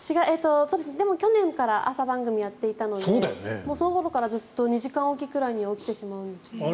でも去年から朝番組やっていたのでその頃からずっと２時間おきぐらいに起きてしまうんですよね。